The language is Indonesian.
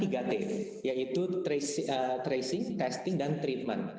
yaitu tracing testing dan treatment